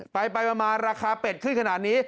ไปมาราคาเป็ดขึ้นขนาดนี้